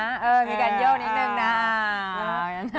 อยู่นิดนึงน่า